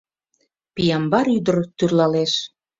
Пиямбар ӱдыр тӱрлалеш.